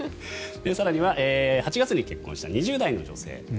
更には８月に結婚した２０代の女性。